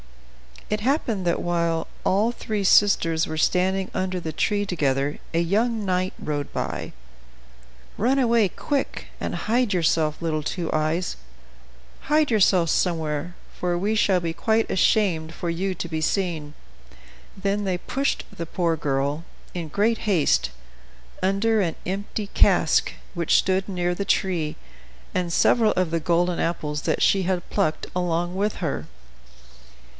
It happened that while all three sisters were standing under the tree together a young knight rode by. "Run away, quick, and hide yourself, little Two Eyes; hide yourself somewhere, for we shall be quite ashamed for you to be seen." Then they pushed the poor girl, in great haste, under an empty cask, which stood near the tree, and several of the golden apples that she had plucked along with her.